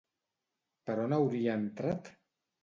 Per on hauria entrat?